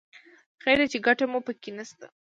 خیر دی چې ګټه مو په کې نه شته.